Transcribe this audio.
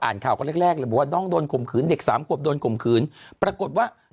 อ่านข่าวก็แรกแรกแรกบอกว่าน่องโดนคุมคืนเด็กสามควบโดนคุมคืนปรากฏว่า